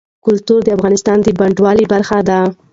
کلتور د افغانستان د بڼوالۍ برخه ده.